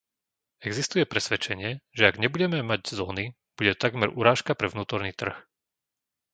Existuje presvedčenie, že ak nebudeme mať zóny, bude to takmer urážka pre vnútorný trh.